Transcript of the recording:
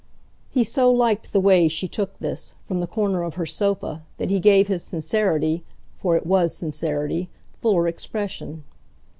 He so liked the way she took this, from the corner of her sofa, that he gave his sincerity for it WAS sincerity fuller expression.